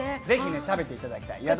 ぜひ食べていただきたい。